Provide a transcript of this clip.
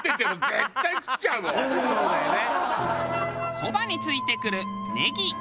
そばに付いてくるネギ。